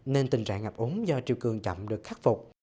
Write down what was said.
nên tình trạng ngập ống do triều cường chậm được khắc phục